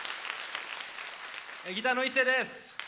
ギターの壱誓です。